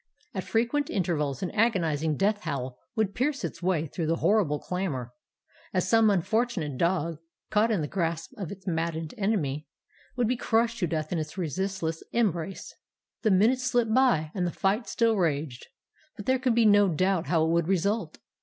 "At frequent intervals an agonizing death howl would pierce its way through the horrible clamour, as some unfortunate dog, caught in the grasp of its maddened enemy, would be crushed to death in his resistless embrace. "The minutes slipped by, and the fight still raged, but there could be no doubt how it would result.